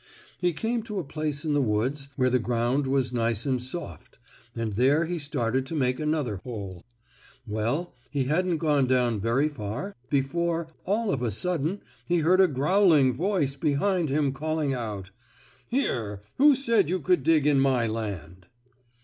He came to a place in the woods, where the ground was nice and soft, and there he started to make another hole. Well, he hadn't gone down very far before, all of a sudden, he heard a growling voice behind him calling out: "Here! Who said you could dig in my land?"